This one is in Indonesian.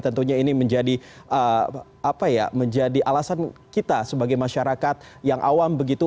tentunya ini menjadi alasan kita sebagai masyarakat yang awam begitu